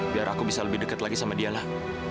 biar aku bisa lebih dekat lagi sama dia lah